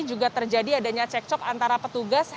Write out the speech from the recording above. juga terjadi adanya cekcok antara petugas